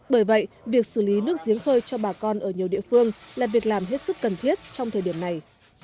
bởi vậy việc xử lý nước giếng khơi cho bà con ở nhiều địa phương là việc làm hết sức cần thiết trong thời điểm này